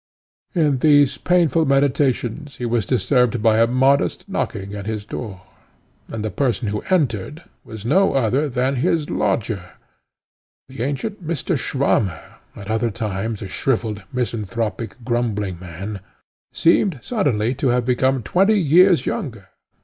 In these painful meditations he was disturbed by a modest knocking at his door, and the person who entered was no other than his lodger. The ancient Mr. Swammer, at other times a shrivelled, misanthropic, grumbling man, seemed suddenly to have become twenty years younger.